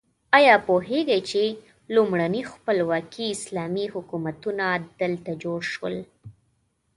ایا پوهیږئ چې لومړني خپلواکي اسلامي حکومتونه دلته جوړ شول؟